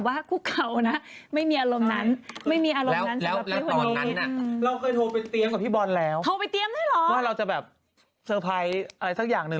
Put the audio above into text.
ว่าเราจะแบบเซอร์ไพรสักอย่างหนึ่ง